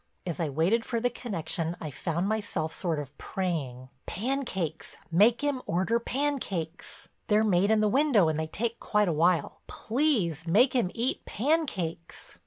As I waited for the connection I found myself sort of praying "Pancakes—make him order pancakes. They're made in the window and they take quite a while. Please make him eat pancakes!"